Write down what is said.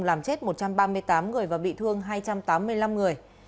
làm chết một trăm ba mươi tám người và bị thương hai trăm tám mươi năm người